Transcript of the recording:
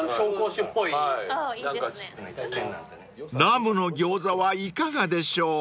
［ラムの餃子はいかがでしょう？］